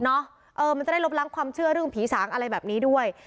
เออมันจะได้ลบล้างความเชื่อเรื่องผีสางอะไรแบบนี้ด้วย